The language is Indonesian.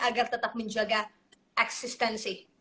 agar tetap menjaga eksistensi